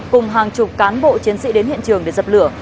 cùng hàng chục cán bộ chiến sĩ đến hiện trường để dập lửa